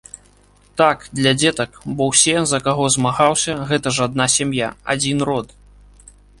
Так, для дзетак, бо ўсе, за каго змагаўся, гэта ж адна сям'я, адзін род.